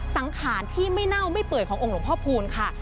สังขารที่ไม่เน่าไม่เปื่อยขององค์หลวงพ่อพูนค่ะ